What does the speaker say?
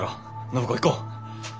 暢子行こう！